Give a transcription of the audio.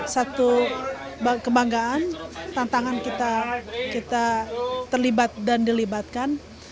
satu kebanggaan tantangan kita terlibat dan dilibatkan